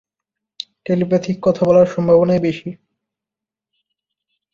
Telepathic কথা বলার সম্ভাবনাই বেশি।